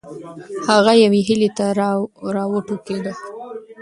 هغه یوې هیلې ته راوټوکېده.